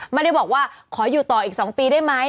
ไม่ได้บอกว่าขออยู่ต่ออีก๒ปีได้ไหม